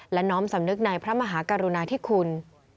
และน้อมสำนึกในพระมหากรุณาธิคุณ